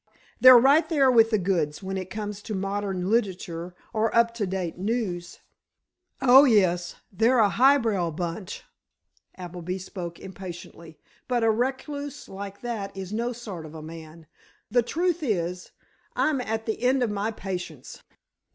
They're right there with the goods, when it comes to modern literature or up to date news——" "Oh, yes, they're a highbrow bunch," Appleby spoke impatiently; "but a recluse like that is no sort of a man! The truth is, I'm at the end of my patience!